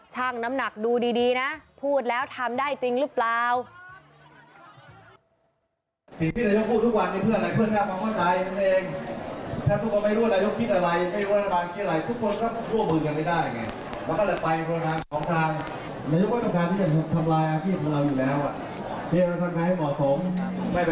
น้ำหนักดูดีนะพูดแล้วทำได้จริงหรือเปล่า